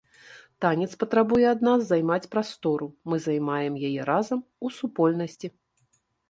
Танец патрабуе ад нас займаць прастору, мы займаем яе разам, у супольнасці.